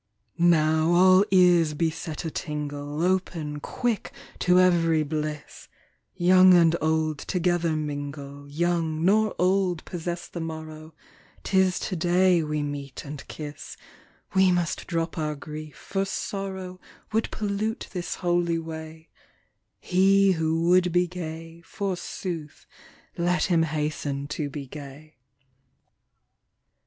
73 Now all ears be set a tingle, Open, quick to every bliss 1 Young and old together mingle, Young nor old possess the morrow, 'Tis to day we meet and kiss ; We must drop our grief, for sorrow Would pollute this holy way : He who would be gay, forsooth, Let him hasten to be gay.